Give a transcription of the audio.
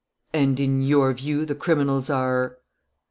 "And, in your view, the criminals are